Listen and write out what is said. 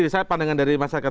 saya pandangan dari masyarakat